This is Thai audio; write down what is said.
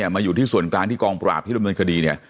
มาอยู่ที่ส่วนกลางที่กองปราบที่ดำเนินคดีเนี่ย